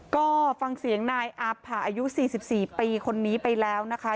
ก็ฟังเสียงนายอาผ่าอายุ๔๔ปีคนนี้ไปแล้วนะคะ